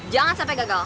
jangan sampai gagal